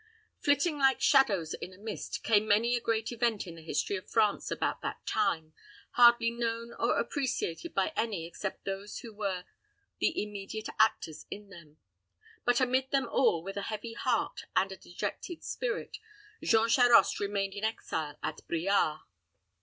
Flitting like shadows in a mist, came many a great event in the history of France about that time, hardly known or appreciated by any except those who were the immediate actors in them; but amid them all, with a heavy heart, and a dejected spirit, Jean Charost remained in exile at Briare.